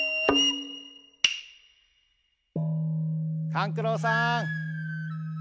・勘九郎さん。